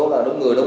dạ đúng rồi